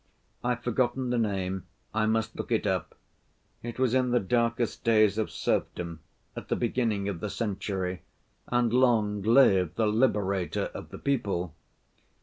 I've forgotten the name. I must look it up. It was in the darkest days of serfdom at the beginning of the century, and long live the Liberator of the People!